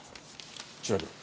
調べろ。